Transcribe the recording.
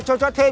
chị ơi cho thêm